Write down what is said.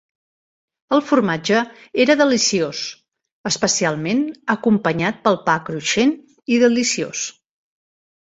El formatge era deliciós, especialment acompanyat pel pa cruixent i deliciós.